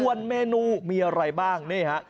ส่วนเมนูมีอะไรบ้างนี่ฮะ